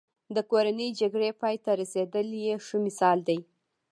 د کورنۍ جګړې پای ته رسېدل یې ښه مثال دی.